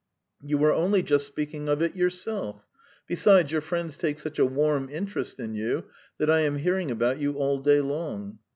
"You were only just speaking of it yourself. Besides, your friends take such a warm interest in you, that I am hearing about you all day long."